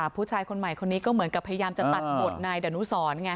ผู้ชายคนใหม่คนนี้ก็เหมือนกับพยายามจะตัดบทนายดนุสรไง